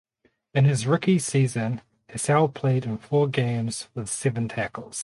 In his rookie season Hassell played in four games with seven tackles.